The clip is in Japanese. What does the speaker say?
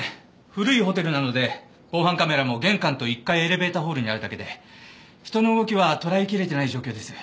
古いホテルなので防犯カメラも玄関と１階エレベーターホールにあるだけで人の動きはとらえ切れてない状況です。